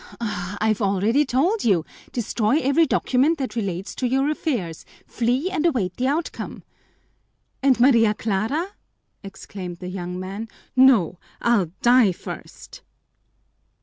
"I've already told you. Destroy every document that relates to your affairs, flee, and await the outcome." "And Maria Clara?" exclaimed the young man. "No, I'll die first!"